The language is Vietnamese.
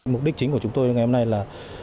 mục đích chính của chúng tôi ngày hôm nay là